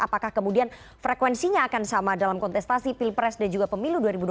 apakah kemudian frekuensinya akan sama dalam kontestasi pilpres dan juga pemilu dua ribu dua puluh